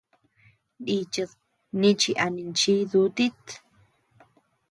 Nichid nichi a ninchii dutit.